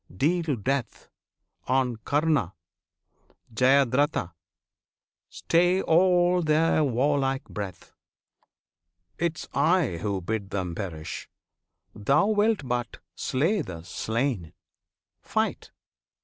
deal death On Karna, Jyadratha; stay all their warlike breath! 'Tis I who bid them perish! Thou wilt but slay the slain; Fight!